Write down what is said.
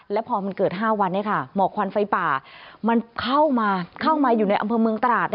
แล้วพอมันเกิด๕วันหมอกควันไฟป่ามันเข้ามาเข้ามาอยู่ในอำเภอเมืองตราด